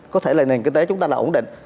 có thể là nền kinh tế chúng ta là ổn định